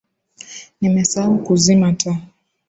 Nimesahau kuzima taa.